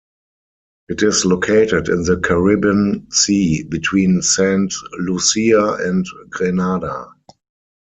It is located in the Caribbean Sea, between Saint Lucia and Grenada.